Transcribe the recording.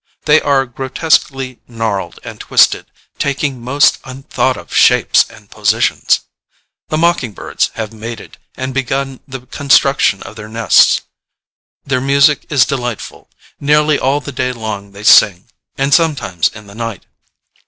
They are grotesquely gnarled and twisted, taking most unthought of shapes and positions. The mocking birds have mated and begun the construction of their nests. Their music is delightful: nearly all the day long they sing, and sometimes in the night.